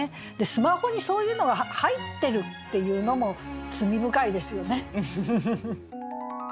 スマホにそういうのが入ってるっていうのも罪深いですよね。